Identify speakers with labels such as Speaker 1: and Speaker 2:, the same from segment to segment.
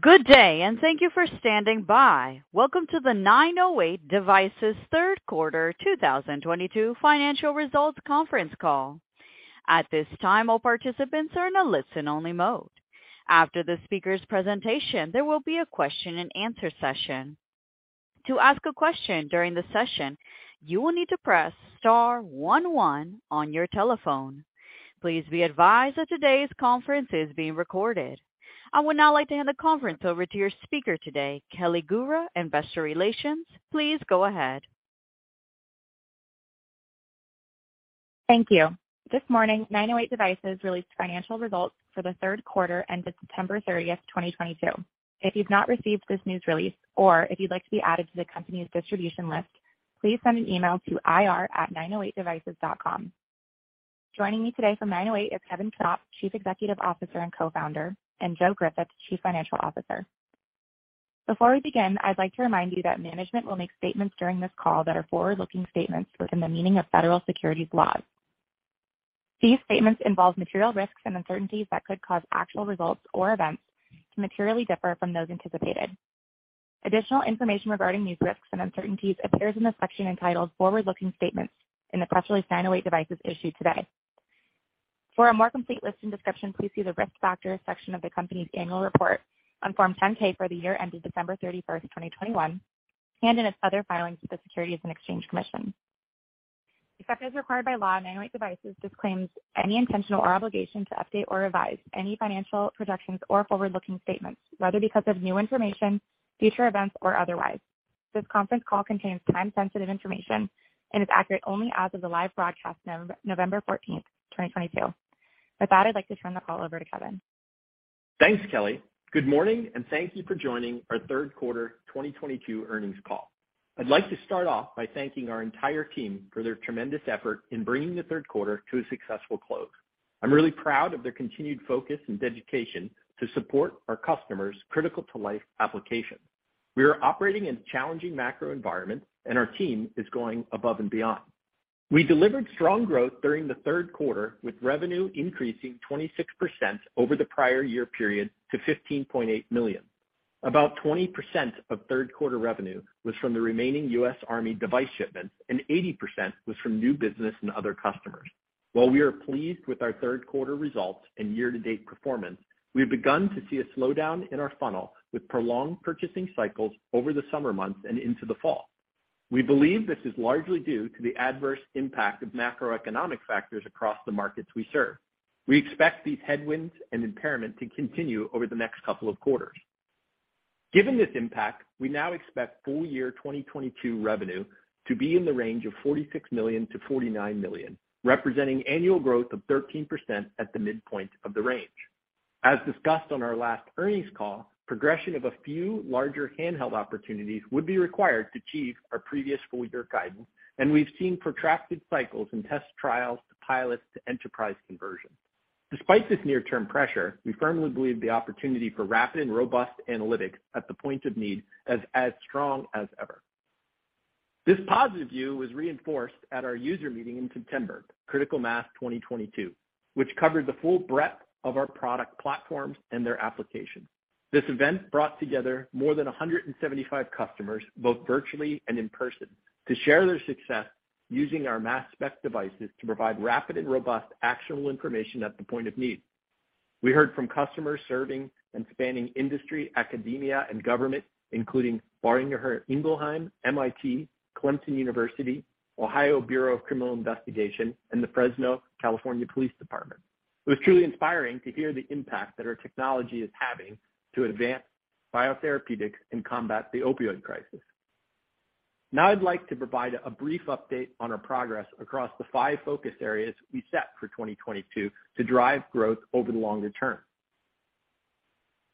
Speaker 1: Good day, and thank you for standing by. Welcome to the 908 Devices third quarter 2022 financial results Conference Call. At this time, all participants are in a listen-only mode. After the speaker's presentation, there will be a question-and-answer session. To ask a question during the session, you will need to press star one one on your telephone. Please be advised that today's conference is being recorded. I would now like to hand the conference over to your speaker today, Kelly Gura, Investor Relations. Please go ahead.
Speaker 2: Thank you. This morning, 908 Devices released financial results for the third quarter ended 30th September 2022. If you've not received this news release or if you'd like to be added to the company's distribution list, please send an email to ir@908devices.com. Joining me today from 908 Devices is Kevin Knopp, Chief Executive Officer and Co-founder, and Joseph Griffith, Chief Financial Officer. Before we begin, I'd like to remind you that management will make statements during this call that are forward-looking statements within the meaning of federal securities laws. These statements involve material risks and uncertainties that could cause actual results or events to materially differ from those anticipated. Additional information regarding these risks and uncertainties appears in the section entitled Forward-Looking Statements in the press release 908 Devices issued today. For a more complete list and description, please see the Risk Factors section of the company's annual report on Form 10-K for the year ended 31st December 2021, and in its other filings with the Securities and Exchange Commission. Except as required by law, 908 Devices disclaims any intention or obligation to update or revise any financial projections or forward-looking statements, whether because of new information, future events, or otherwise. This conference call contains time-sensitive information and is accurate only as of the live broadcast 14th November 2022. With that, I'd like to turn the call over to Kevin.
Speaker 3: Thanks, Kelly. Good morning, and thank you for joining our third quarter 2022 earnings call. I'd like to start off by thanking our entire team for their tremendous effort in bringing the third quarter to a successful close. I'm really proud of their continued focus and dedication to support our customers' critical-to-life applications. We are operating in a challenging macro environment, and our team is going above and beyond. We delivered strong growth during the third quarter, with revenue increasing 26% over the prior year period to $15.8 million. About 20% of third quarter revenue was from the remaining U.S. Army device shipments and 80% was from new business and other customers. While we are pleased with our third quarter results and year-to-date performance, we've begun to see a slowdown in our funnel with prolonged purchasing cycles over the summer months and into the fall. We believe this is largely due to the adverse impact of macroeconomic factors across the markets we serve. We expect these headwinds and impairment to continue over the next couple of quarters. Given this impact, we now expect full year 2022 revenue to be in the range of $46 million-$49 million, representing annual growth of 13% at the midpoint of the range. As discussed on our last earnings call, progression of a few larger handheld opportunities would be required to achieve our previous full year guidance, and we've seen protracted cycles and test trials to pilots to enterprise conversion. Despite this near-term pressure, we firmly believe the opportunity for rapid and robust analytics at the point of need is as strong as ever. This positive view was reinforced at our user meeting in September, Critical Mass 2022, which covered the full breadth of our product platforms and their applications. This event brought together more than 175 customers, both virtually and in person, to share their success using our MassSpec devices to provide rapid and robust, actionable information at the point of need. We heard from customers serving and spanning industry, academia, and government, including Boehringer Ingelheim, MIT, Clemson University, Ohio Bureau of Criminal Investigation, and the Fresno Police Department. It was truly inspiring to hear the impact that our technology is having to advance biotherapeutics and combat the opioid crisis. Now I'd like to provide a brief update on our progress across the five focus areas we set for 2022 to drive growth over the longer term.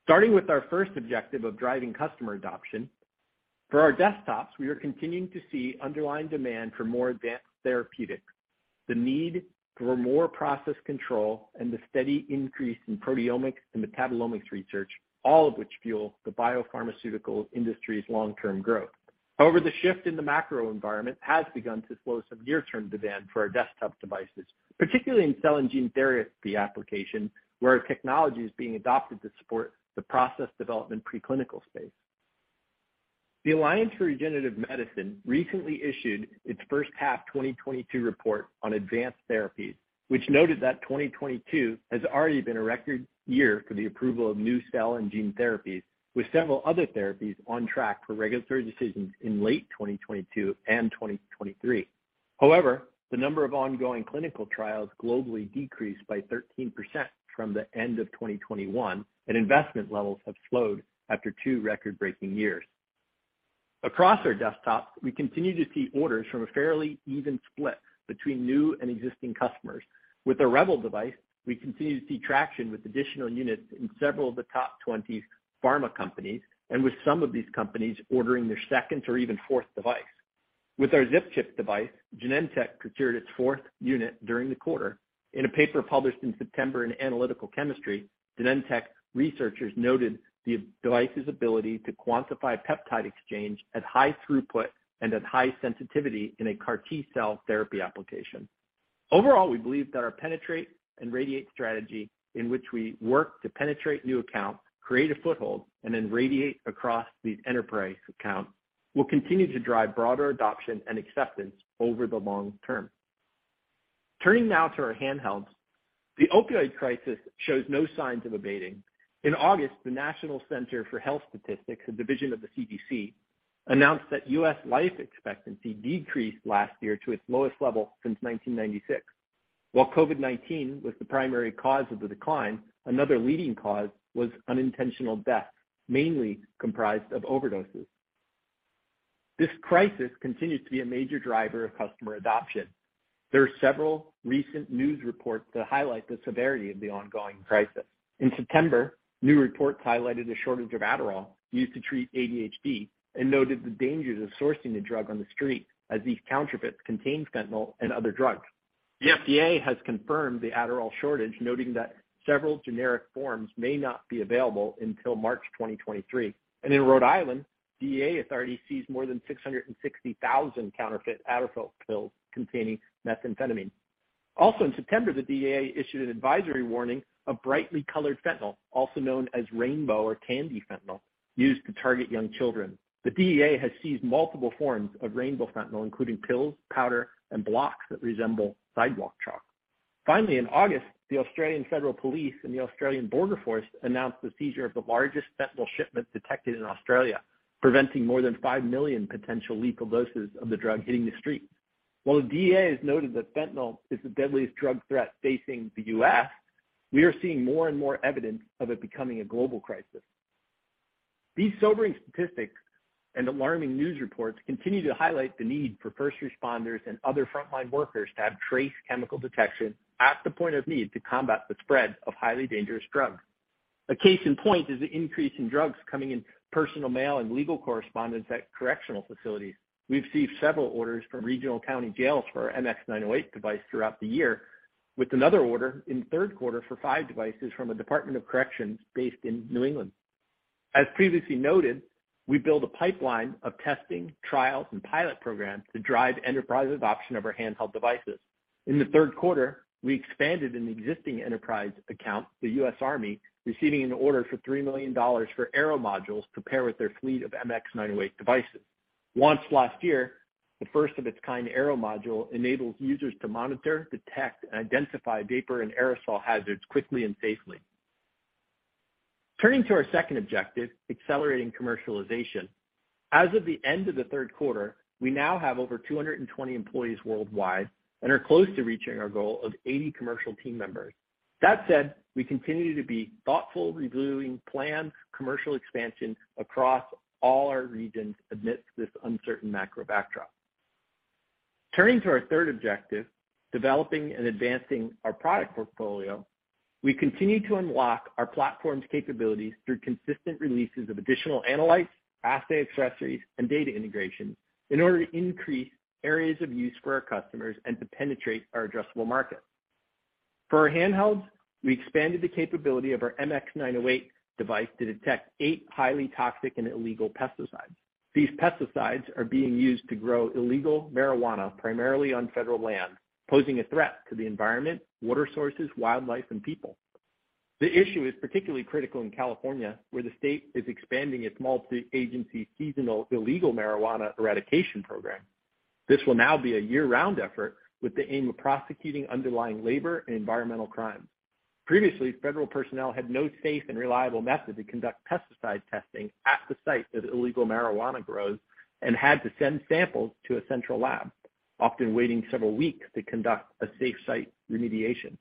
Speaker 3: Starting with our first objective of driving customer adoption. For our desktops, we are continuing to see underlying demand for more advanced therapeutics, the need for more process control, and the steady increase in proteomics and metabolomics research, all of which fuel the biopharmaceutical industry's long-term growth. However, the shift in the macro environment has begun to slow some near-term demand for our desktop devices, particularly in cell and gene therapy applications, where technology is being adopted to support the process development preclinical space. The Alliance for Regenerative Medicine recently issued its first half 2022 report on advanced therapies, which noted that 2022 has already been a record year for the approval of new cell and gene therapies, with several other therapies on track for regulatory decisions in late 2022 and 2023. However, the number of ongoing clinical trials globally decreased by 13% from the end of 2021, and investment levels have slowed after two record-breaking years. Across our desktops, we continue to see orders from a fairly even split between new and existing customers. With the REBEL device, we continue to see traction with additional units in several of the top 20 pharma companies and with some of these companies ordering their second or even fourth device. With our ZipChip device, Genentech procured its fourth unit during the quarter. In a paper published in September in Analytical Chemistry, Genentech researchers noted the device's ability to quantify peptide exchange at high throughput and at high sensitivity in a CAR T-cell therapy application. Overall, we believe that our penetrate and radiate strategy, in which we work to penetrate new accounts, create a foothold, and then radiate across the enterprise account, will continue to drive broader adoption and acceptance over the long term. Turning now to our handhelds. The opioid crisis shows no signs of abating. In August, the National Center for Health Statistics, a division of the CDC, announced that U.S. life expectancy decreased last year to its lowest level since 1996. While COVID-19 was the primary cause of the decline, another leading cause was unintentional deaths, mainly comprised of overdoses. This crisis continues to be a major driver of customer adoption. There are several recent news reports that highlight the severity of the ongoing crisis. In September, new reports highlighted a shortage of Adderall used to treat ADHD and noted the dangers of sourcing the drug on the street as these counterfeits contain fentanyl and other drugs. The FDA has confirmed the Adderall shortage, noting that several generic forms may not be available until March 2023. In Rhode Island, DEA authorities seized more than 660,000 counterfeit Adderall pills containing methamphetamine. Also in September, the DEA issued an advisory warning of brightly colored fentanyl, also known as rainbow or candy fentanyl, used to target young children. The DEA has seized multiple forms of rainbow fentanyl, including pills, powder, and blocks that resemble sidewalk chalk. Finally, in August, the Australian Federal Police and the Australian Border Force announced the seizure of the largest fentanyl shipment detected in Australia, preventing more than 5 million potential lethal doses of the drug hitting the streets. While the DEA has noted that fentanyl is the deadliest drug threat facing the U.S., we are seeing more and more evidence of it becoming a global crisis. These sobering statistics and alarming news reports continue to highlight the need for first responders and other frontline workers to have trace chemical detection at the point of need to combat the spread of highly dangerous drugs. A case in point is the increase in drugs coming in personal mail and legal correspondence at correctional facilities. We've received several orders from regional county jails for our MX908 device throughout the year, with another order in third quarter for five devices from a Department of Corrections based in New England. As previously noted, we build a pipeline of testing, trials, and pilot programs to drive enterprise adoption of our handheld devices. In the third quarter, we expanded an existing enterprise account, the U.S. Army, receiving an order for $3 million for Aero modules to pair with their fleet of MX908 devices. Launched last year, the first of its kind Aero module enables users to monitor, detect, and identify vapor and aerosol hazards quickly and safely. Turning to our second objective, accelerating commercialization. As of the end of the third quarter, we now have over 220 employees worldwide and are close to reaching our goal of 80 commercial team members. That said, we continue to be thoughtfully reviewing planned commercial expansion across all our regions amidst this uncertain macro backdrop. Turning to our third objective, developing and advancing our product portfolio. We continue to unlock our platform's capabilities through consistent releases of additional analytes, assay accessories, and data integration in order to increase areas of use for our customers and to penetrate our addressable market. For our handhelds, we expanded the capability of our MX908 device to detect 8 highly toxic and illegal pesticides. These pesticides are being used to grow illegal marijuana primarily on federal land, posing a threat to the environment, water sources, wildlife, and people. The issue is particularly critical in California, where the state is expanding its multi-agency seasonal illegal marijuana eradication program. This will now be a year-round effort with the aim of prosecuting underlying labor and environmental crimes. Previously, federal personnel had no safe and reliable method to conduct pesticide testing at the site of illegal marijuana grows and had to send samples to a central lab, often waiting several weeks to conduct a safe site remediation.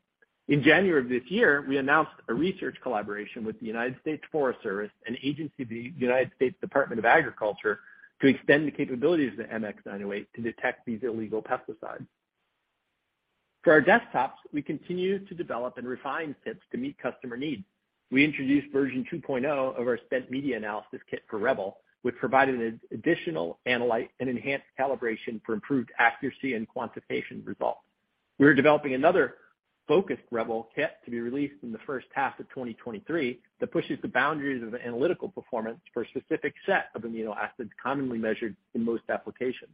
Speaker 3: In January of this year, we announced a research collaboration with the United States Forest Service, an agency of the United States Department of Agriculture, to extend the capabilities of the MX908 to detect these illegal pesticides. For our desktops, we continue to develop and refine kits to meet customer needs. We introduced version 2.0 of our Spent Media Analysis Kit for Rebel, which provided an additional analyte and enhanced calibration for improved accuracy and quantification results. We are developing another focused Rebel kit to be released in the first half of 2023 that pushes the boundaries of the analytical performance for a specific set of amino acids commonly measured in most applications.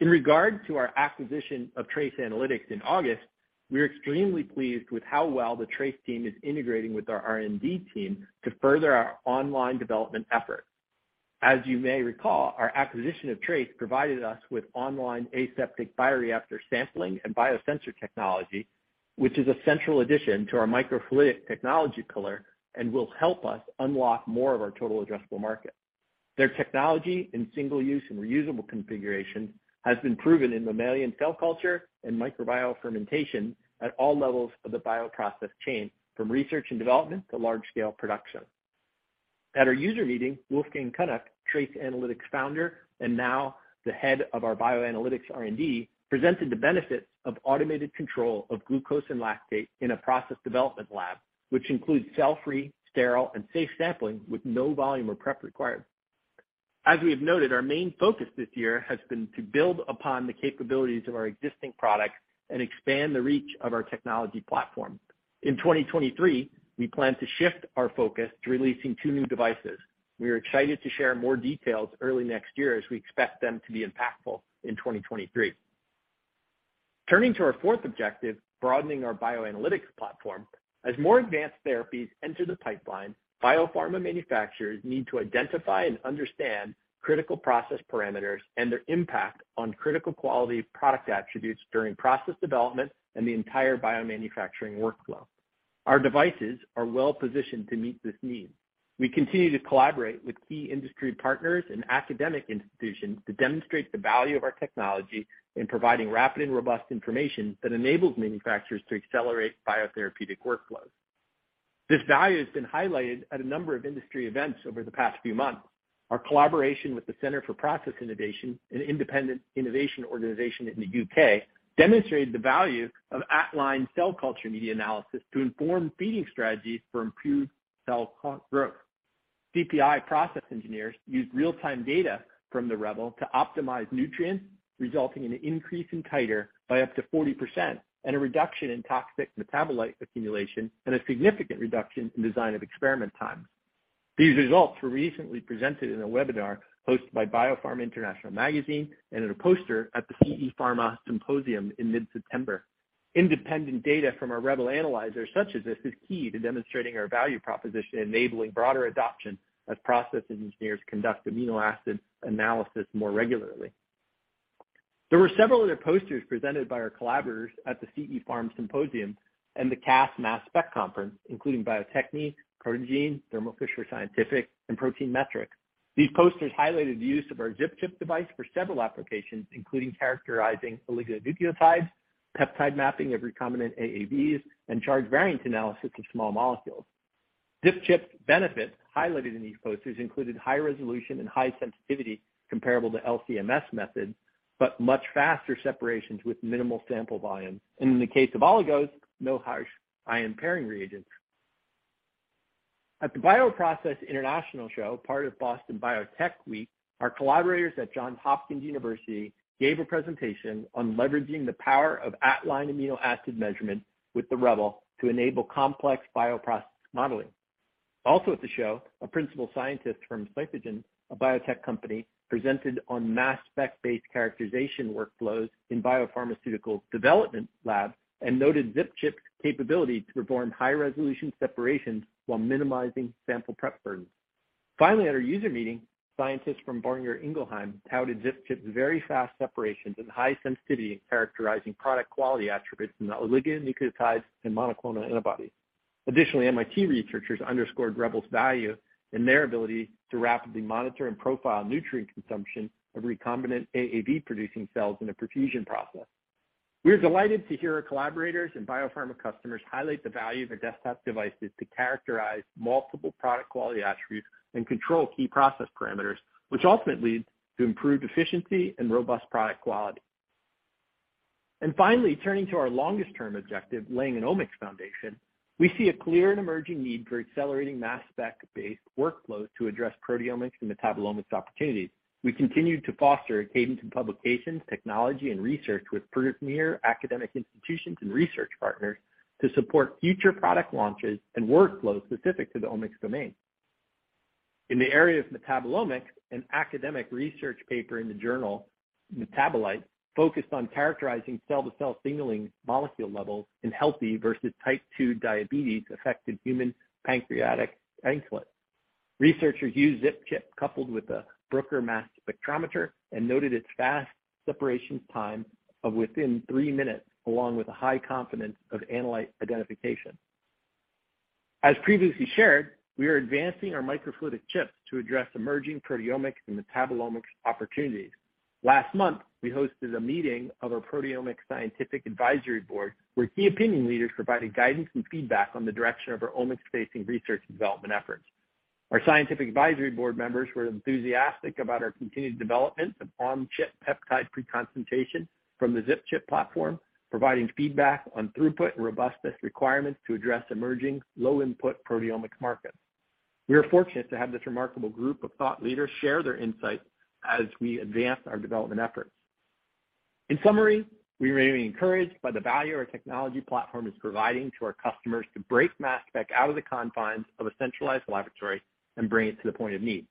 Speaker 3: In regard to our acquisition of Trace Analytics in August, we are extremely pleased with how well the TRACE team is integrating with our R&D team to further our on-line development efforts. As you may recall, our acquisition of TRACE provided us with on-line aseptic bioreactor sampling and biosensor technology, which is a central addition to our microfluidic technology pillar and will help us unlock more of our total addressable market. Their technology in single-use and reusable configuration has been proven in mammalian cell culture and microbial fermentation at all levels of the bioprocess chain, from research and development to large-scale production. At our user meeting, Wolfgang Künnecke, Trace Analytics founder, and now the head of our bioanalytics R&D, presented the benefits of automated control of glucose and lactate in a process development lab, which includes cell-free, sterile, and safe sampling with no volume or prep required. As we have noted, our main focus this year has been to build upon the capabilities of our existing products and expand the reach of our technology platform. In 2023, we plan to shift our focus to releasing two new devices. We are excited to share more details early next year as we expect them to be impactful in 2023. Turning to our fourth objective, broadening our bioanalytics platform. As more advanced therapies enter the pipeline, biopharma manufacturers need to identify and understand critical process parameters and their impact on critical quality product attributes during process development and the entire biomanufacturing workflow. Our devices are well-positioned to meet this need. We continue to collaborate with key industry partners and academic institutions to demonstrate the value of our technology in providing rapid and robust information that enables manufacturers to accelerate biotherapeutic workflows. This value has been highlighted at a number of industry events over the past few months. Our collaboration with the Centre for Process Innovation, an independent innovation organization in the U.K., demonstrated the value of at-line cell culture media analysis to inform feeding strategies for improved cell growth. CPI process engineers used real-time data from the REBEL to optimize nutrients, resulting in an increase in titer by up to 40% and a reduction in toxic metabolite accumulation, and a significant reduction in design of experiment times. These results were recently presented in a webinar hosted by BioPharm International magazine and in a poster at the CE Pharm Symposium in mid-September. Independent data from our REBEL analyzer such as this is key to demonstrating our value proposition, enabling broader adoption as process engineers conduct amino acid analysis more regularly. There were several other posters presented by our collaborators at the CE Pharm Symposium and the CAS Mass Spec conference, including Bio-Techne, ProtaGene, Thermo Fisher Scientific, and ProteinMetrics. These posters highlighted the use of our ZipChip device for several applications, including characterizing oligonucleotides, peptide mapping of recombinant AAVs, and charge variant analysis of small molecules. ZipChip's benefits highlighted in these posters included high resolution and high sensitivity comparable to LC-MS methods, but much faster separations with minimal sample volume. In the case of oligos, no harsh ion-pairing reagents. At the BioProcess International Show, part of Biotech Week Boston, our collaborators at Johns Hopkins University gave a presentation on leveraging the power of at-line amino acid measurement with the REBEL to enable complex bioprocess modeling. Also at the show, a principal scientist from Cytiva, a biotech company, presented on mass spec-based characterization workflows in biopharmaceutical development labs and noted ZipChip's capability to perform high-resolution separations while minimizing sample prep burdens. Finally, at our user meeting, scientists from Boehringer Ingelheim touted ZipChip's very fast separations and high sensitivity in characterizing product quality attributes in oligonucleotides and monoclonal antibodies. Additionally, MIT researchers underscored REBEL's value in their ability to rapidly monitor and profile nutrient consumption of recombinant AAV-producing cells in a perfusion process. We are delighted to hear our collaborators and biopharma customers highlight the value of our desktop devices to characterize multiple product quality attributes and control key process parameters, which ultimately leads to improved efficiency and robust product quality. Finally, turning to our longest-term objective, laying an omics foundation, we see a clear and emerging need for accelerating mass spec-based workflows to address proteomics and metabolomics opportunities. We continue to foster a cadence in publications, technology, and research with premier academic institutions and research partners to support future product launches and workflows specific to the omics domain. In the area of metabolomics, an academic research paper in the journal Metabolites focused on characterizing cell-to-cell signaling molecule levels in healthy versus type two diabetes-affected human pancreatic islets. Researchers used ZipChip coupled with a Bruker mass spectrometer and noted its fast separation time of within three minutes, along with a high confidence of analyte identification. As previously shared, we are advancing our microfluidic chips to address emerging proteomics and metabolomics opportunities. Last month, we hosted a meeting of our Proteomics Scientific Advisory Board, where key opinion leaders provided guidance and feedback on the direction of our omics-facing research and development efforts. Our Scientific Advisory Board members were enthusiastic about our continued development of on-chip peptide preconcentration from the ZipChip platform, providing feedback on throughput and robustness requirements to address emerging low input proteomics markets. We are fortunate to have this remarkable group of thought leaders share their insights as we advance our development efforts. In summary, we remain encouraged by the value our technology platform is providing to our customers to break mass spec out of the confines of a centralized laboratory and bring it to the point of need.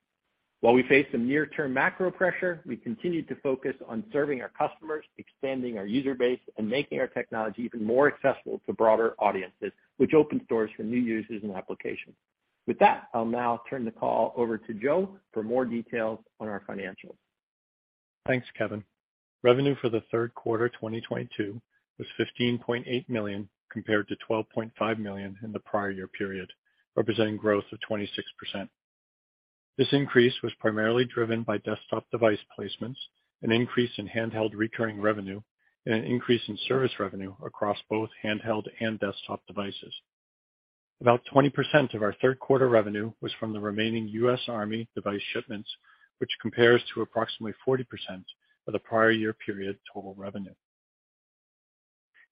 Speaker 3: While we face some near-term macro pressure, we continue to focus on serving our customers, expanding our user base, and making our technology even more accessible to broader audiences, which opens doors for new uses and applications. With that, I'll now turn the call over to Joe for more details on our financials.
Speaker 4: Thanks, Kevin. Revenue for the third quarter 2022 was $15.8 million, compared to $12.5 million in the prior year period, representing growth of 26%. This increase was primarily driven by desktop device placements, an increase in handheld recurring revenue, and an increase in service revenue across both handheld and desktop devices. About 20% of our third quarter revenue was from the remaining U.S. Army device shipments, which compares to approximately 40% of the prior year period total revenue.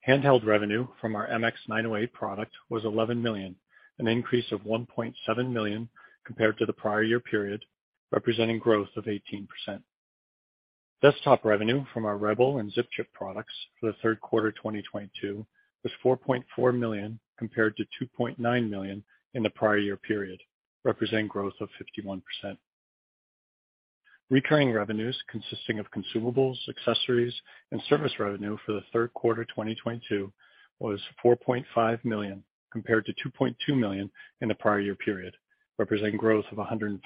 Speaker 4: Handheld revenue from our MX908 product was $11 million, an increase of $1.7 million compared to the prior year period, representing growth of 18%. Desktop revenue from our REBEL and ZipChip products for the third quarter 2022 was $4.4 million compared to $2.9 million in the prior year period, representing growth of 51%. Recurring revenues consisting of consumables, accessories and service revenue for the third quarter 2022 was $4.5 million compared to $2.2 million in the prior year period, representing growth of 105%.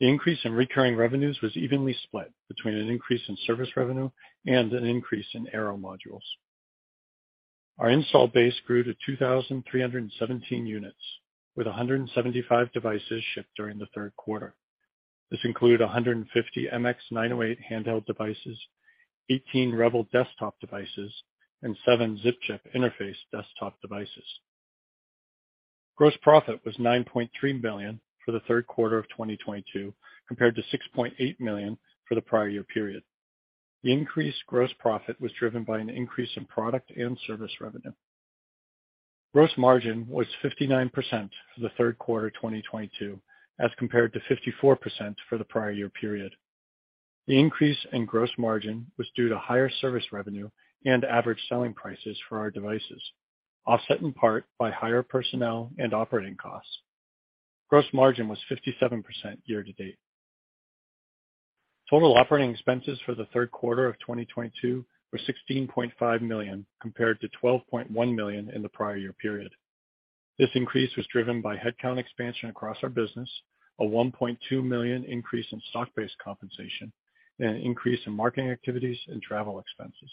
Speaker 4: The increase in recurring revenues was evenly split between an increase in service revenue and an increase in Aero modules. Our installed base grew to 2,317 units, with 175 devices shipped during the third quarter. This included 150 MX908 handheld devices, 18 REBEL desktop devices, and 7 ZipChip interface desktop devices. Gross profit was $9.3 million for the third quarter of 2022, compared to $6.8 million for the prior year period. The increased gross profit was driven by an increase in product and service revenue. Gross margin was 59% for the third quarter of 2022, as compared to 54% for the prior year period. The increase in gross margin was due to higher service revenue and average selling prices for our devices, offset in part by higher personnel and operating costs. Gross margin was 57% year to date. Total operating expenses for the third quarter of 2022 were $16.5 million compared to $12.1 million in the prior year period. This increase was driven by headcount expansion across our business, a $1.2 million increase in stock-based compensation, and an increase in marketing activities and travel expenses.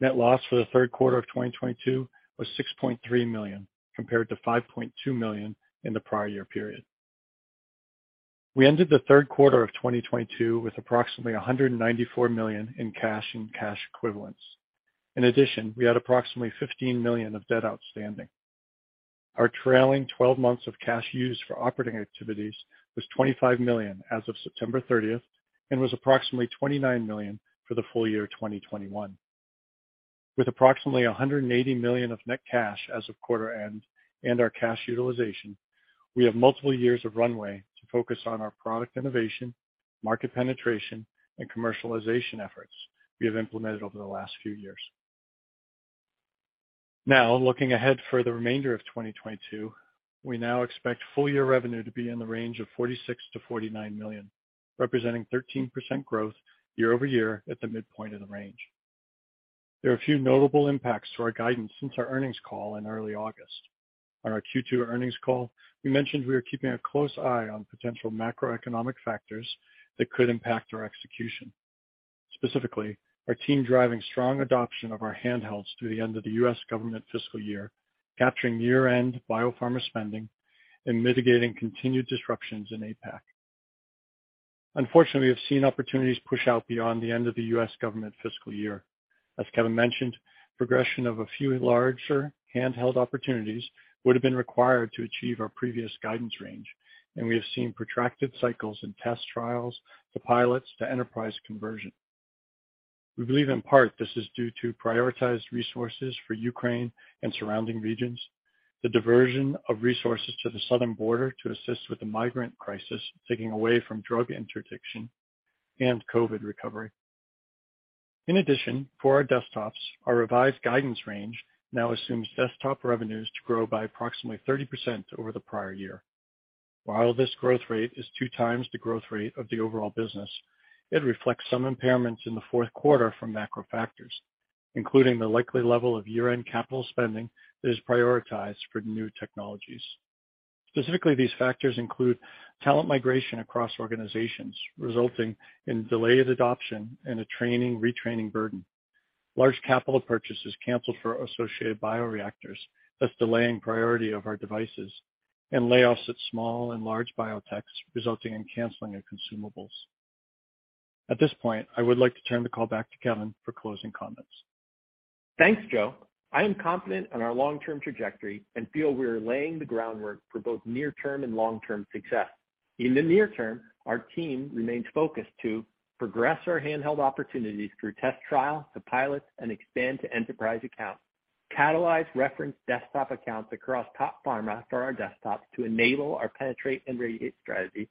Speaker 4: Net loss for the third quarter of 2022 was $6.3 million, compared to $5.2 million in the prior year period. We ended the third quarter of 2022 with approximately $194 million in cash and cash equivalents. In addition, we had approximately $15 million of debt outstanding. Our trailing twelve months of cash used for operating activities was $25 million as of 30th September and was approximately $29 million for the full year of 2021. With approximately $180 million of net cash as of quarter end and our cash utilization, we have multiple years of runway to focus on our product innovation, market penetration, and commercialization efforts we have implemented over the last few years. Now, looking ahead for the remainder of 2022, we now expect full year revenue to be in the range of $46 million-$49 million, representing 13% growth year-over-year at the midpoint of the range. There are a few notable impacts to our guidance since our earnings call in early August. On our Q2 earnings call, we mentioned we are keeping a close eye on potential macroeconomic factors that could impact our execution, specifically our team driving strong adoption of our handhelds through the end of the U.S. government fiscal year, capturing year-end biopharma spending and mitigating continued disruptions in APAC. Unfortunately, we have seen opportunities push out beyond the end of the U.S. government fiscal year. As Kevin mentioned, progression of a few larger handheld opportunities would have been required to achieve our previous guidance range, and we have seen protracted cycles in test trials to pilots to enterprise conversion. We believe, in part, this is due to prioritized resources for Ukraine and surrounding regions, the diversion of resources to the southern border to assist with the migrant crisis, taking away from drug interdiction and COVID recovery. In addition, for our desktops, our revised guidance range now assumes desktop revenues to grow by approximately 30% over the prior year. While this growth rate is two times the growth rate of the overall business, it reflects some impairments in the fourth quarter from macro factors, including the likely level of year-end capital spending that is prioritized for new technologies. Specifically, these factors include talent migration across organizations, resulting in delayed adoption and a training, retraining burden. Large capital purchases canceled for associated bioreactors, thus delaying priority of our devices, and layoffs at small and large biotechs, resulting in canceling of consumables. At this point, I would like to turn the call back to Kevin for closing comments.
Speaker 3: Thanks, Joe. I am confident on our long-term trajectory and feel we are laying the groundwork for both near-term and long-term success. In the near term, our team remains focused to progress our handheld opportunities through test trial to pilots and expand to enterprise accounts, catalyze reference desktop accounts across top pharma for our desktops to enable our penetrate and radiate strategy,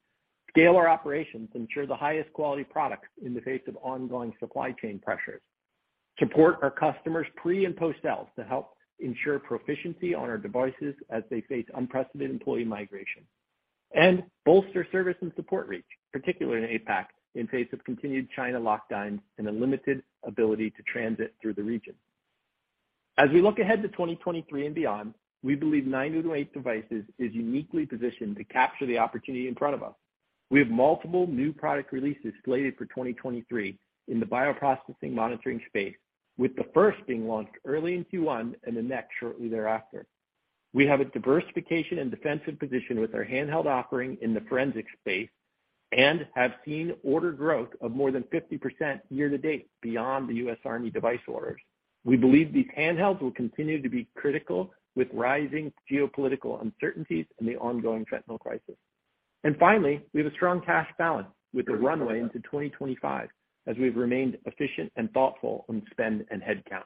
Speaker 3: scale our operations to ensure the highest quality products in the face of ongoing supply chain pressures, support our customers pre and post-sales to help ensure proficiency on our devices as they face unprecedented employee migration, and bolster service and support reach, particularly in APAC, in face of continued China lockdowns and a limited ability to transit through the region. As we look ahead to 2023 and beyond, we believe 908 Devices is uniquely positioned to capture the opportunity in front of us. We have multiple new product releases slated for 2023 in the bioprocessing monitoring space, with the first being launched early in Q1 and the next shortly thereafter. We have a diversification and defensive position with our handheld offering in the forensic space and have seen order growth of more than 50% year to date beyond the U.S. Army device orders. We believe these handhelds will continue to be critical with rising geopolitical uncertainties and the ongoing fentanyl crisis. Finally, we have a strong cash balance with a runway into 2025 as we've remained efficient and thoughtful on spend and headcount.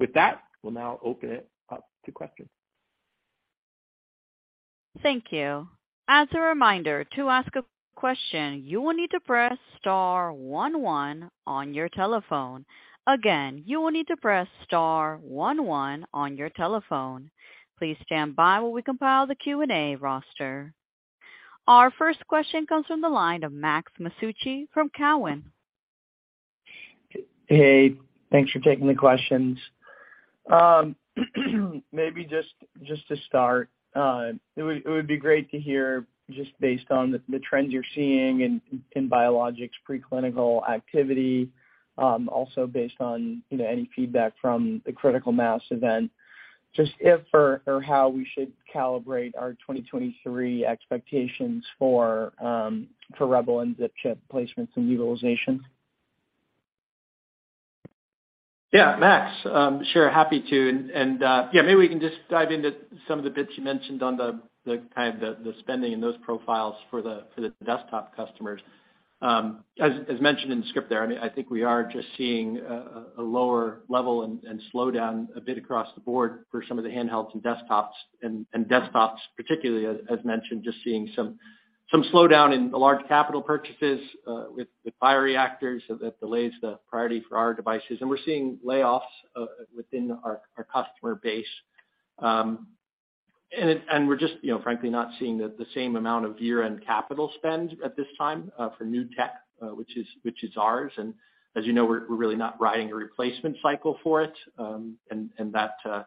Speaker 3: With that, we'll now open it up to questions.
Speaker 1: Thank you. As a reminder, to ask a question, you will need to press star one one on your telephone. Again, you will need to press star one one on your telephone. Please stand by while we compile the Q&A roster. Our first question comes from the line of Max Masucci from Cowen.
Speaker 5: Hey, thanks for taking the questions. Maybe just to start, it would be great to hear just based on the trends you're seeing in biologics preclinical activity, also based on, you know, any feedback from the Critical Mass event, just if or how we should calibrate our 2023 expectations for REBEL and ZipChip placements and utilization.
Speaker 3: Yeah, Max, sure, happy to. Yeah, maybe we can just dive into some of the bits you mentioned on the kind of spending and those profiles for the desktop customers. As mentioned in the script there, I mean, I think we are just seeing a lower level and slow down a bit across the board for some of the handhelds and desktops and desktops particularly as mentioned, just seeing some slowdown in the large capital purchases with bioreactors that delays the priority for our devices. We're seeing layoffs within our customer base. We're just, you know, frankly not seeing the same amount of year-end capital spend at this time for new tech, which is ours. As you know, we're really not riding a replacement cycle for it. That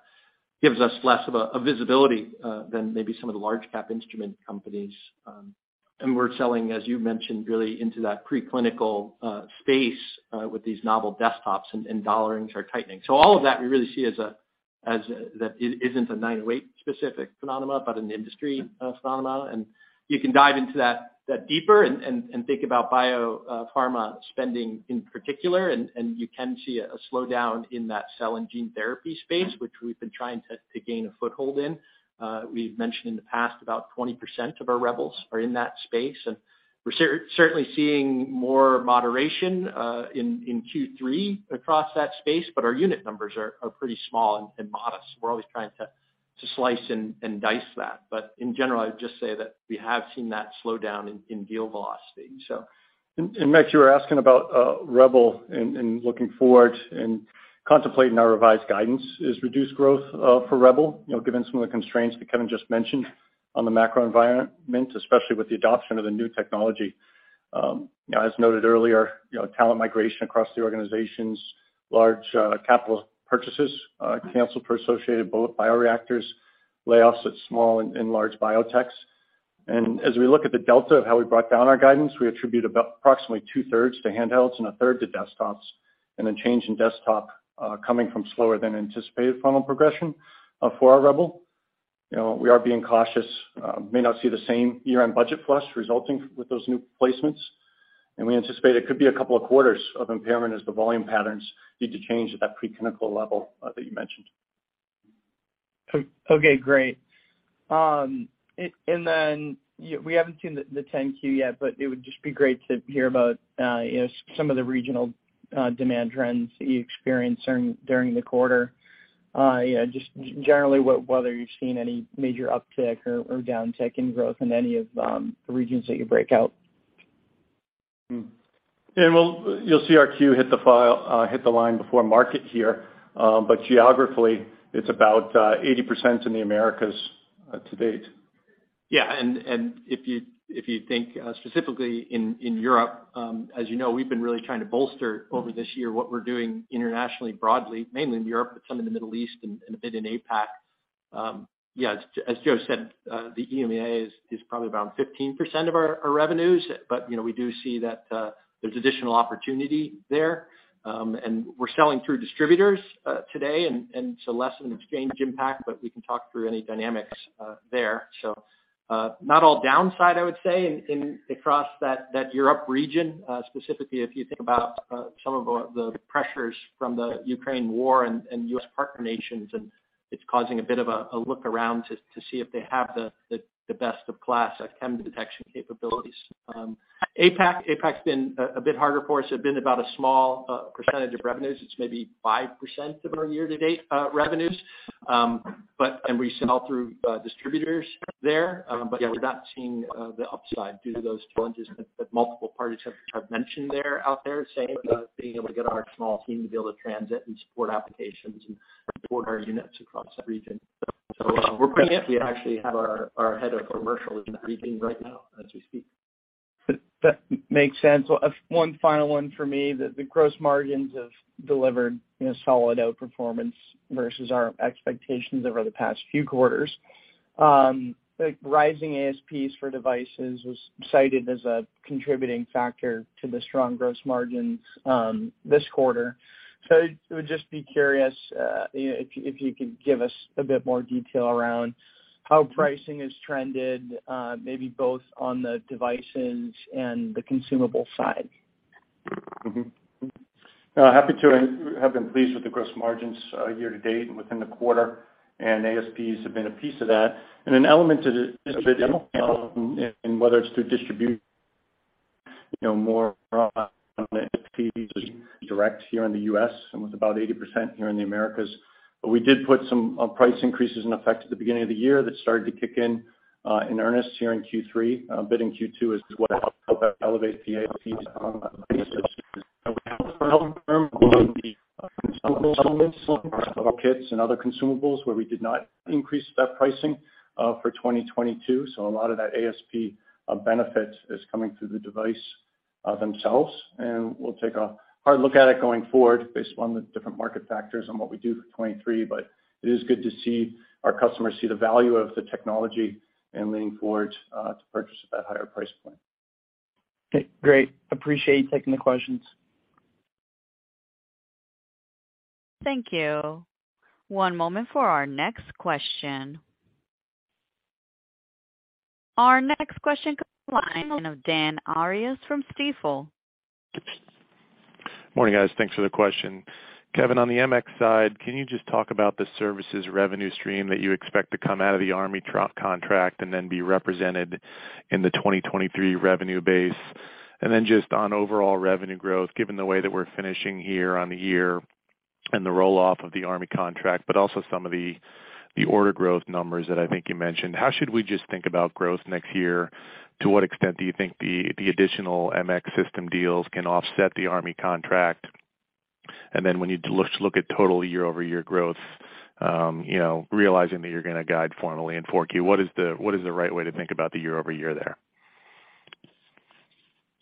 Speaker 3: gives us less of a visibility than maybe some of the large cap instrument companies. We're selling, as you mentioned, really into that preclinical space with these novel desktops and dollars are tightening. All of that we really see as that it isn't a 908 specific phenomena, but an industry phenomena. You can dive into that deeper and think about biopharma spending in particular, and you can see a slowdown in that cell and gene therapy space, which we've been trying to gain a foothold in. We've mentioned in the past, about 20% of our REBELs are in that space, and we're certainly seeing more moderation in Q3 across that space. Our unit numbers are pretty small and modest. We're always trying to slice and dice that. In general, I would just say that we have seen that slow down in deal velocity, so.
Speaker 4: Max, you were asking about REBEL and looking forward and contemplating our revised guidance is reduced growth for REBEL, you know, given some of the constraints that Kevin just mentioned on the macro environment, especially with the adoption of the new technology. You know, as noted earlier, you know, talent migration across the organizations, large capital purchases canceled for associated bioreactors, layoffs at small and large biotechs. As we look at the delta of how we brought down our guidance, we attribute about approximately two-thirds to handhelds and a third to desktops, and a change in desktop coming from slower than anticipated funnel progression for our REBEL. You know, we are being cautious, may not see the same year-end budget flush resulting with those new placements. We anticipate it could be a couple of quarters of impairment as the volume patterns need to change at that preclinical level, that you mentioned.
Speaker 5: Okay, great. We haven't seen the Form 10-Q yet, but it would just be great to hear about, you know, some of the regional demand trends that you experienced during the quarter. Yeah, just generally, whether you've seen any major uptick or downtick in growth in any of the regions that you break out.
Speaker 4: Well, you'll see our Q hit the line before market here. Geographically, it's about 80% in the Americas to date.
Speaker 3: Yeah. If you think specifically in Europe, as you know, we've been really trying to bolster over this year what we're doing internationally, broadly, mainly in Europe, but some in the Middle East and a bit in APAC. Yeah, as Joe said, the EMEA is probably around 15% of our revenues. You know, we do see that there's additional opportunity there. We're selling through distributors today and so less of an exchange impact, but we can talk through any dynamics there. Not all downside, I would say in across that Europe region, specifically, if you think about some of the pressures from the Ukraine war and U.S. partner nations, and it's causing a bit of a look around to see if they have the best of class chem detection capabilities. APAC's been a bit harder for us, have been about a small percentage of revenues. It's maybe 5% of our year-to-date revenues. We sell through distributors there. Yeah, we're not seeing the upside due to those challenges that multiple parties have mentioned out there, saying about being able to get our small team to be able to transit and support applications and support our units across the region. We're putting it, we actually have our head of commercial in that region right now as we speak.
Speaker 5: That makes sense. Well, one final one for me, the gross margins have delivered, you know, solid outperformance versus our expectations over the past few quarters. Like rising ASPs for devices was cited as a contributing factor to the strong gross margins this quarter. I would just be curious, you know, if you could give us a bit more detail around how pricing has trended, maybe both on the devices and the consumable side.
Speaker 4: Happy to. I have been pleased with the gross margins year to date and within the quarter, and ASPs have been a piece of that. An element to this value, and whether it's through distribution, you know, more direct here in the U.S. and with about 80% here in the Americas. We did put some price increases in effect at the beginning of the year that started to kick in in earnest here in Q3. A bit in Q2 as well, help elevate the ASPs on the basis that we have held firm on the consumable elements of our kits and other consumables where we did not increase that pricing for 2022. A lot of that ASP benefit is coming through the devices themselves, and we'll take a hard look at it going forward based upon the different market factors and what we do for 2023. It is good to see our customers see the value of the technology and leaning forward to purchase at that higher price point.
Speaker 5: Okay, great. Appreciate you taking the questions.
Speaker 1: Thank you. One moment for our next question. Our next question comes from the line of Daniel Arias from Stifel.
Speaker 6: Morning, guys. Thanks for the question. Kevin, on the MX side, can you just talk about the services revenue stream that you expect to come out of the Army trough contract and then be represented in the 2023 revenue base? Just on overall revenue growth, given the way that we're finishing here on the year and the roll-off of the Army contract, but also some of the order growth numbers that I think you mentioned, how should we just think about growth next year? To what extent do you think the additional MX system deals can offset the Army contract? When you look at total year-over-year growth, you know, realizing that you're going to guide formally in 4Q, what is the right way to think about the year-over-year there?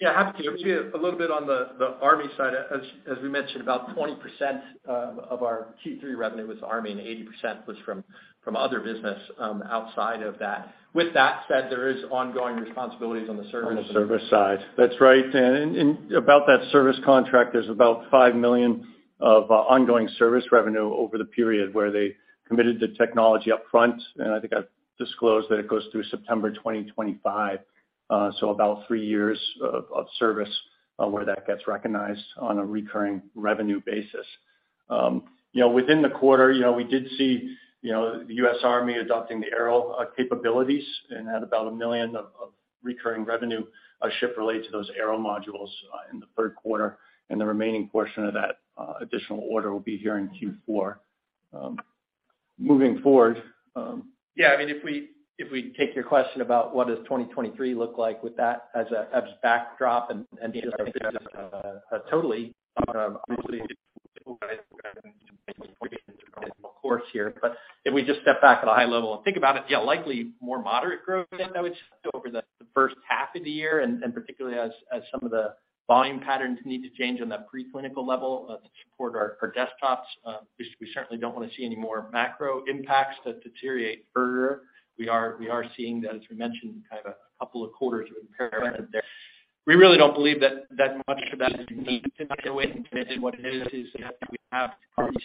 Speaker 3: Yeah, happy to. Maybe a little bit on the Army side. As we mentioned, about 20% of our Q3 revenue was Army, and 80% was from other business outside of that. With that said, there is ongoing responsibilities on the service-
Speaker 4: On the service side. That's right. About that service contract, there's about $5 million of ongoing service revenue over the period where they committed the technology upfront. I think I've disclosed that it goes through September 2025, so about three years of service where that gets recognized on a recurring revenue basis. You know, within the quarter, you know, we did see, you know, the U.S. Army adopting the Aero capabilities and had about $1 million of recurring revenue from a shipment related to those Aero modules in the third quarter, and the remaining portion of that additional order will be here in Q4. Moving forward,
Speaker 3: I mean, if we take your question about what does 2023 look like with that as a backdrop. If we just step back at a high level and think about it, yeah, likely more moderate growth than that was over the first half of the year, and particularly as some of the volume patterns need to change on the preclinical level to support our desktops. We certainly don't want to see any more macro impacts that deteriorate further. We are seeing that, as we mentioned, kind of a couple of quarters of impairment there. We really don't believe that much of that is needed. What it is we have probably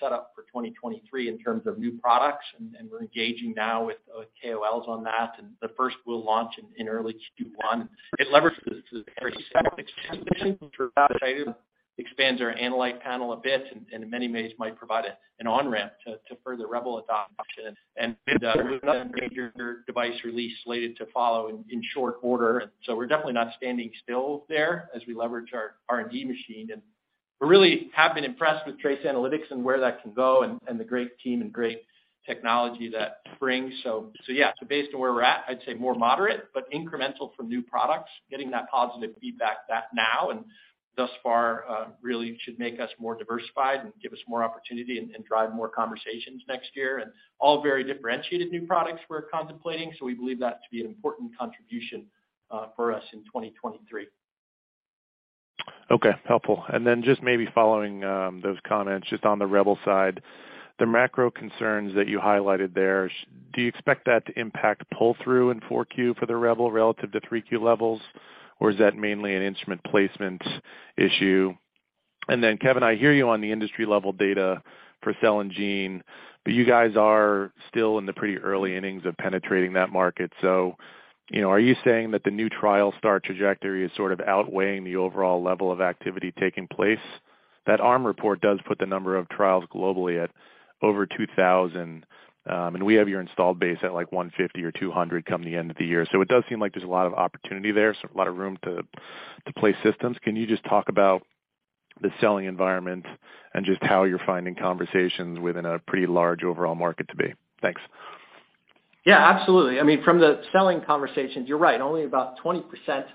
Speaker 3: set up for 2023 in terms of new products, and we're engaging now with KOLs on that, and the first we'll launch in early Q1. It leverages expands our analyte panel a bit and in many ways might provide an on-ramp to further REBEL adoption and with another major device release slated to follow in short order. We're definitely not standing still there as we leverage our R&D machine. We really have been impressed with TRACE Analytics and where that can go and the great team and great technology that brings. Yeah, based on where we're at, I'd say more moderate, but incremental from new products, getting that positive feedback that now and thus far really should make us more diversified and give us more opportunity and drive more conversations next year. All very differentiated new products we're contemplating, so we believe that to be an important contribution for us in 2023.
Speaker 6: Okay, helpful. Then just maybe following those comments just on the Rebel side, the macro concerns that you highlighted there, do you expect that to impact pull-through in 4Q for the Rebel relative to 3Q levels, or is that mainly an instrument placement issue? Then Kevin, I hear you on the industry level data for cell and gene, but you guys are still in the pretty early innings of penetrating that market. You know, are you saying that the new trial start trajectory is sort of outweighing the overall level of activity taking place? That ARM report does put the number of trials globally at over 2,000, and we have your installed base at like 150 or 200 come the end of the year. It does seem like there's a lot of opportunity there, so a lot of room to place systems. Can you just talk about the selling environment and just how you're finding conversations within a pretty large overall market to be? Thanks.
Speaker 3: Yeah, absolutely. I mean, from the selling conversations, you're right, only about 20%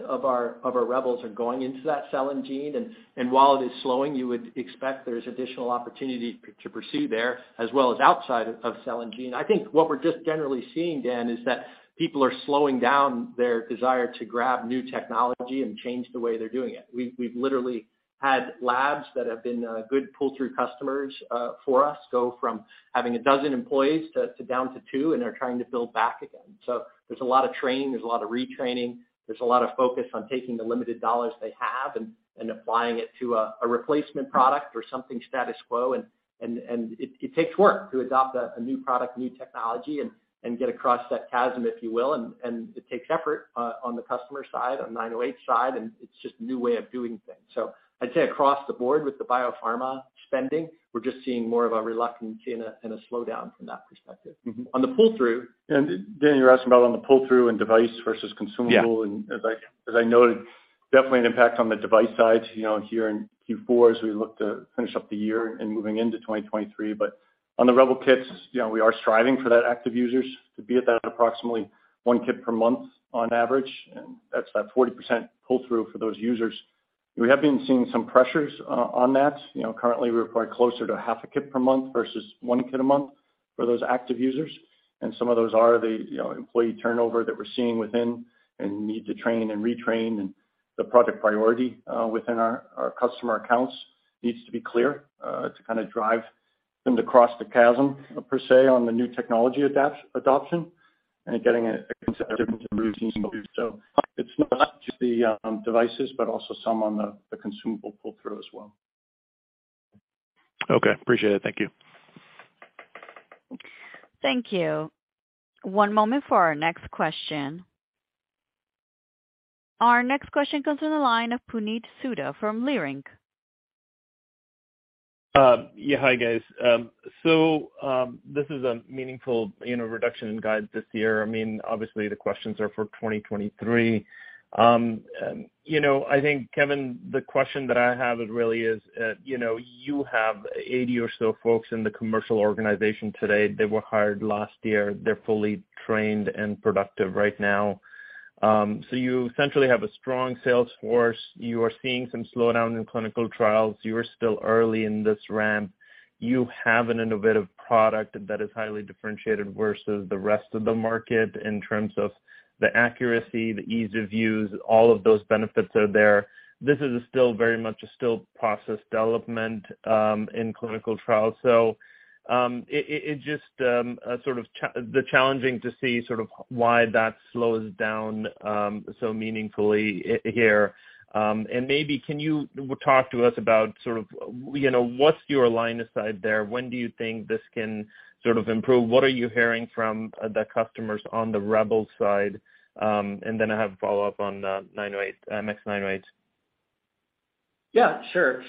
Speaker 3: of our REBELs are going into that cell and gene. While it is slowing, you would expect there's additional opportunity to pursue there as well as outside of cell and gene. I think what we're just generally seeing, Dan, is that people are slowing down their desire to grab new technology and change the way they're doing it. We've literally had labs that have been good pull-through customers for us go from having 12 employees to down to 2, and they're trying to build back again. There's a lot of training, there's a lot of retraining, there's a lot of focus on taking the limited dollars they have and applying it to a replacement product or something status quo. It takes work to adopt a new product, new technology and get across that chasm, if you will, and it takes effort on the customer side, on the 908 side, and it's just a new way of doing things. I'd say across the board with the biopharma spending, we're just seeing more of a reluctance and a slowdown from that perspective.
Speaker 4: Mm-hmm.
Speaker 3: On the pull-through
Speaker 4: Dan, you're asking about the pull-through and device versus consumable.
Speaker 6: Yeah.
Speaker 4: As I noted, definitely an impact on the device side, you know, here in Q4 as we look to finish up the year and moving into 2023. On the REBEL kits, you know, we are striving for that active users to be at that approximately one kit per month on average. That's that 40% pull-through for those users. We have been seeing some pressures on that. You know, currently we're probably closer to half a kit per month versus one kit a month for those active users. Some of those are the, you know, employee turnover that we're seeing within and need to train and retrain and the project priority within our customer accounts needs to be clear to kind of drive them to cross the chasm per se on the new technology adoption. It's not just the devices, but also some of the consumable pull-through as well.
Speaker 6: Okay, appreciate it. Thank you.
Speaker 1: Thank you. One moment for our next question. Our next question comes to the line of Puneet Souda from Leerink.
Speaker 7: Yeah. Hi, guys. This is a meaningful, you know, reduction in guides this year. I mean, obviously the questions are for 2023. You know, I think, Kevin, the question that I have is really, you know, you have 80 or so folks in the commercial organization today. They were hired last year. They're fully trained and productive right now. You essentially have a strong sales force. You are seeing some slowdown in clinical trials. You are still early in this ramp. You have an innovative product that is highly differentiated versus the rest of the market in terms of the accuracy, the ease of use, all of those benefits are there. This is still very much a process development in clinical trials. It's just sort of challenging to see sort of why that slows down so meaningfully here. Maybe can you talk to us about sort of, you know, what's your line of sight there? When do you think this can sort of improve? What are you hearing from the customers on the REBEL side? Then I have a follow-up on the 908, MX908.
Speaker 3: Yeah, sure.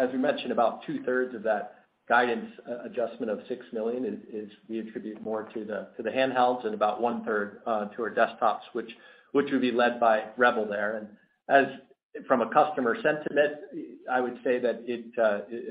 Speaker 3: As you mentioned, about two-thirds of that guidance adjustment of $6 million is we attribute more to the handhelds and about one-third to our desktops, which would be led by REBEL there. As for a customer sentiment, I would say that it,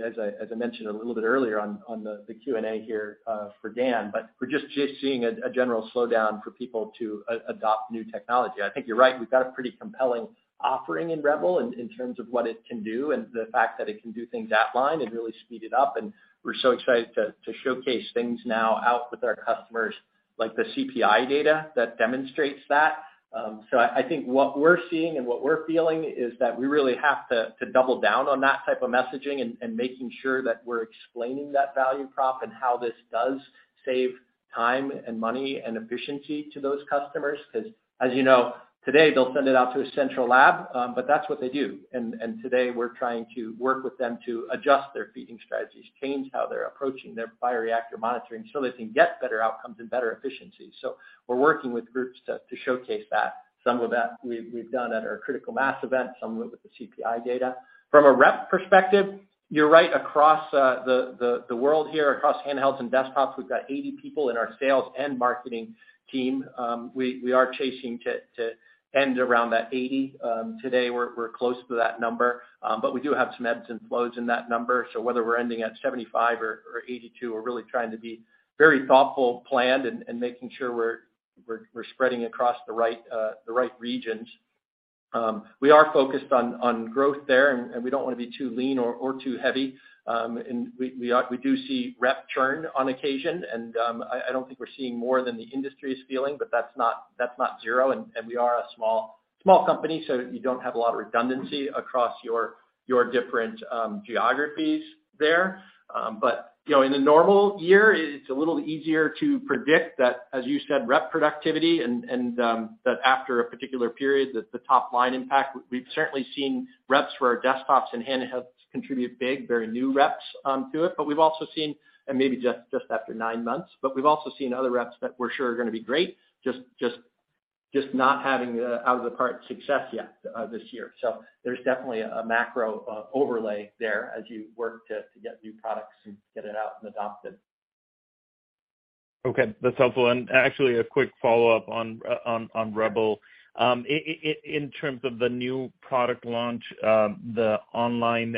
Speaker 3: as I mentioned a little bit earlier on the Q&A here, for Dan, but we're just seeing a general slowdown for people to adopt new technology. I think you're right. We've got a pretty compelling offering in REBEL in terms of what it can do and the fact that it can do things at line and really speed it up. We're so excited to showcase things now out with our customers, like the CPI data that demonstrates that. I think what we're seeing and what we're feeling is that we really have to double down on that type of messaging and making sure that we're explaining that value prop and how this does save time and money and efficiency to those customers. Because as you know, today, they'll send it out to a central lab, but that's what they do. Today we're trying to work with them to adjust their feeding strategies, change how they're approaching their bioreactor monitoring so they can get better outcomes and better efficiency. We're working with groups to showcase that. Some of that we've done at our Critical Mass event, some with the CPI data. From a rep perspective, you're right across the world here, across handhelds and desktops, we've got 80 people in our sales and marketing team. We are chasing to end around that 80. Today we're close to that number, but we do have some ebbs and flows in that number. Whether we're ending at 75 or 82, we're really trying to be very thoughtful, planned and making sure we're spreading across the right regions. We are focused on growth there and we don't want to be too lean or too heavy. We do see rep churn on occasion. I don't think we're seeing more than the industry is feeling, but that's not zero. We are a small company, so you don't have a lot of redundancy across your different geographies there. You know, in a normal year, it's a little easier to predict that, as you said, rep productivity and that after a particular period that the top line impact. We've certainly seen reps for our desktops and handhelds contribute big, very new reps to it. We've also seen, maybe just after 9 months, other reps that we're sure are gonna be great, just not having the out of the gate success yet this year. There's definitely a macro overlay there as you work to get new products and get it out and adopted.
Speaker 7: Okay, that's helpful. Actually a quick follow-up on REBEL. In terms of the new product launch, the on-line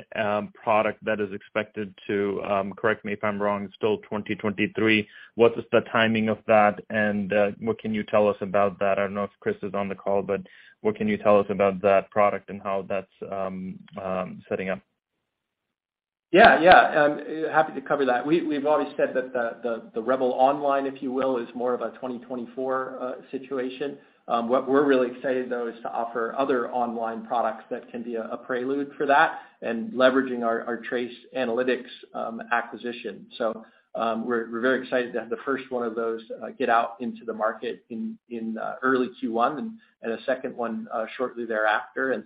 Speaker 7: product that is expected to, correct me if I'm wrong, still 2023. What is the timing of that and what can you tell us about that? I don't know if Chris is on the call, but what can you tell us about that product and how that's setting up?
Speaker 3: Yeah, yeah. I'm happy to cover that. We've already said that the REBEL Online, if you will, is more of a 2024 situation. What we're really excited, though, is to offer other online products that can be a prelude for that and leveraging our TRACE Analytics acquisition. We're very excited to have the first one of those get out into the market in early Q1 and a second one shortly thereafter.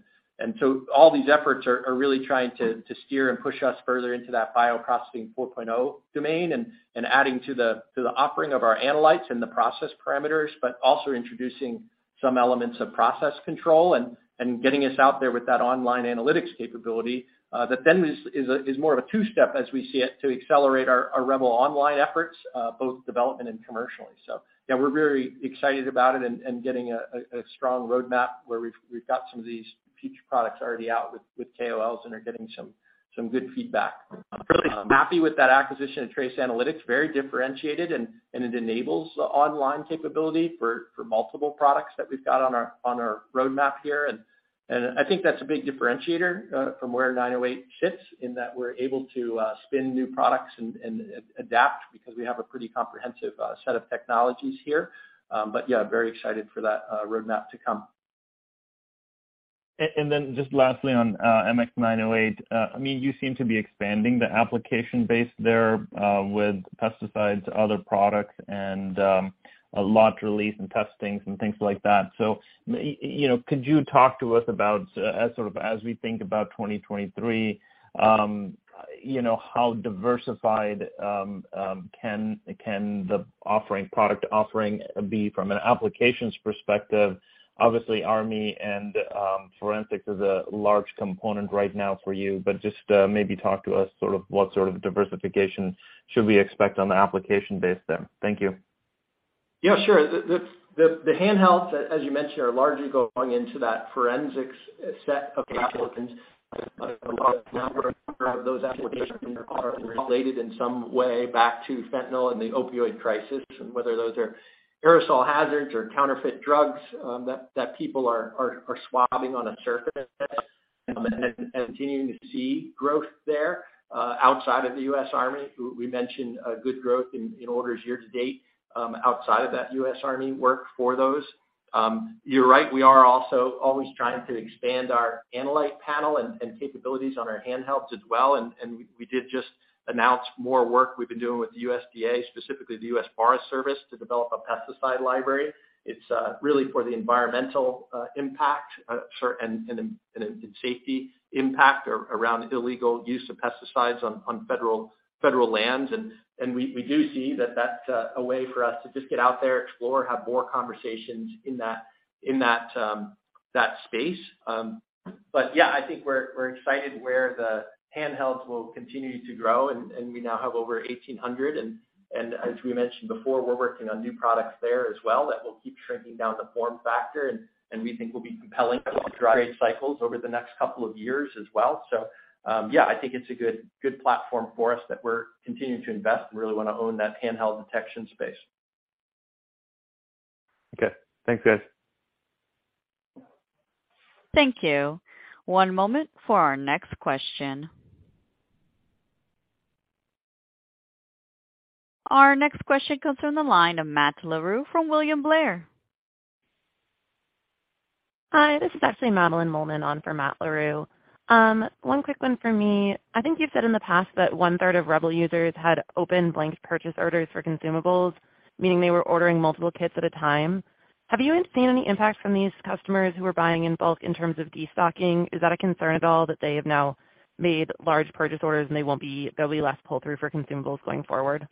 Speaker 3: All these efforts are really trying to steer and push us further into that bioprocessing 4.0 domain and adding to the offering of our analytes and the process parameters, but also introducing some elements of process control and getting us out there with that online analytics capability, that then is more of a two-step as we see it, to accelerate our Rebel Online efforts, both development and commercially. Yeah, we're very excited about it and getting a strong roadmap where we've got some of these feature products already out with KOLs and are getting some good feedback. I'm really happy with that acquisition of TRACE Analytics, very differentiated and it enables the online capability for multiple products that we've got on our roadmap here. I think that's a big differentiator from where 908 sits in that we're able to spin new products and adapt because we have a pretty comprehensive set of technologies here. Yeah, very excited for that roadmap to come.
Speaker 7: Then just lastly on MX908, I mean, you seem to be expanding the application base there with pesticides, other products, and a launch release and testings and things like that. You know, could you talk to us about as sort of as we think about 2023, you know, how diversified can the product offering be from an applications perspective? Obviously, Army and forensics is a large component right now for you. Just maybe talk to us sort of what sort of diversification should we expect on the application base then. Thank you.
Speaker 3: Yeah, sure. The handhelds, as you mentioned, are largely going into that forensics set of applications. Those applications are related in some way back to fentanyl and the opioid crisis, and whether those are aerosol hazards or counterfeit drugs, that people are swabbing on a surface. Continuing to see growth there, outside of the U.S. Army. We mentioned good growth in orders year to date, outside of that US Army work for those. You're right, we are also always trying to expand our analyte panel and capabilities on our handhelds as well. We did just announce more work we've been doing with the USDA, specifically the US Forest Service, to develop a pesticide library. It's really for the environmental and safety impact around illegal use of pesticides on federal lands. We do see that that's a way for us to just get out there, explore, have more conversations in that space. Yeah, I think we're excited where the handhelds will continue to grow and we now have over 1,800. As we mentioned before, we're working on new products there as well that will keep shrinking down the form factor and we think will be compelling trade cycles over the next couple of years as well. Yeah, I think it's a good platform for us that we're continuing to invest and really wanna own that handheld detection space.
Speaker 7: Okay. Thanks, guys.
Speaker 1: Thank you. One moment for our next question. Our next question comes from the line of Matt Larew from William Blair.
Speaker 8: Hi, this is actually Madeline Molman on for Matt Larew. One quick one for me. I think you've said in the past that 1/3 of REBEL users had open blanket purchase orders for consumables, meaning they were ordering multiple kits at a time. Have you seen any impact from these customers who are buying in bulk in terms of destocking? Is that a concern at all that they have now made large purchase orders and there'll be less pull through for consumables going forward?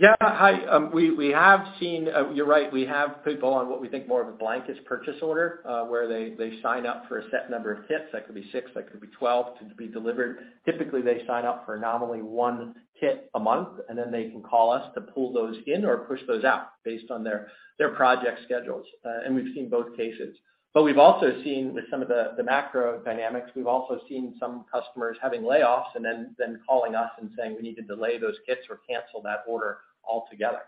Speaker 3: Yeah. Hi. We have seen, you're right, we have people on what we think more of a blanket purchase order, where they sign up for a set number of kits, that could be six, that could be 12, to be delivered. Typically, they sign up for nominally one kit a month, and then they can call us to pull those in or push those out based on their project schedules. We've seen both cases. We've also seen with some of the macro dynamics, some customers having layoffs and then calling us and saying, "We need to delay those kits or cancel that order altogether.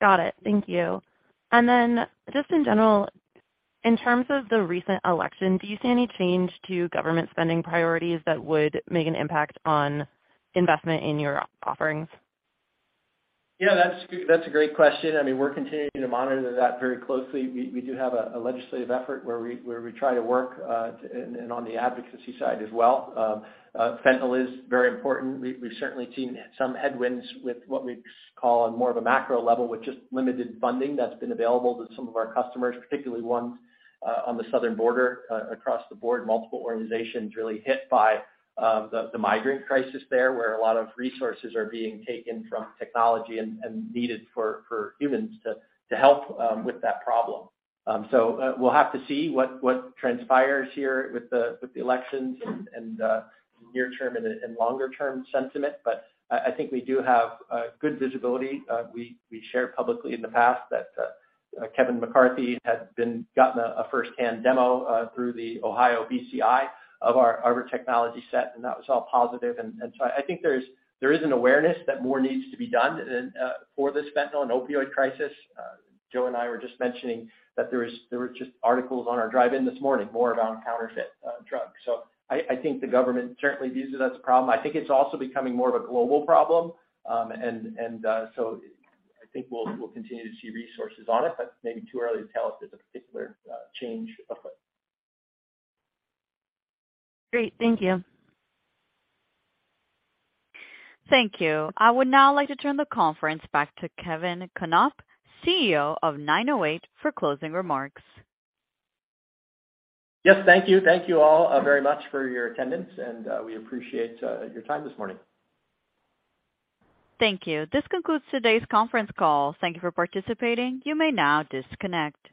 Speaker 8: Got it. Thank you. Just in general, in terms of the recent election, do you see any change to government spending priorities that would make an impact on investment in your offerings?
Speaker 3: Yeah, that's a great question. I mean, we're continuing to monitor that very closely. We do have a legislative effort where we try to work and on the advocacy side as well. Fentanyl is very important. We've certainly seen some headwinds with what we call on more of a macro level with just limited funding that's been available to some of our customers, particularly ones on the southern border, across the board, multiple organizations really hit by the migrant crisis there, where a lot of resources are being taken from technology and needed for humans to help with that problem. We'll have to see what transpires here with the elections and near term and longer term sentiment. I think we do have good visibility. We shared publicly in the past that Kevin McCarthy had gotten a firsthand demo through the Ohio BCI of our technology set, and that was all positive. I think there is an awareness that more needs to be done for this fentanyl and opioid crisis. Joe and I were just mentioning that there was just articles on our drive in this morning more around counterfeit drugs. I think the government certainly views it as a problem. I think it's also becoming more of a global problem. I think we'll continue to see resources on it, but maybe too early to tell if there's a particular change afoot.
Speaker 8: Great. Thank you.
Speaker 1: Thank you. I would now like to turn the conference back to Kevin Knopp, CEO of 908 Devices for closing remarks.
Speaker 3: Yes. Thank you. Thank you all, very much for your attendance and, we appreciate, your time this morning.
Speaker 1: Thank you. This concludes today's Conference Call. Thank you for participating. You may now disconnect.